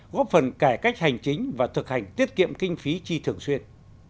góp phần cải cách hành chính và thực hành tiết kiệm kinh phí chi thường xuyên